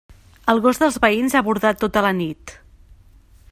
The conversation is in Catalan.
El gos dels veïns ha bordat tota la nit.